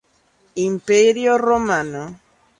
Imperio romano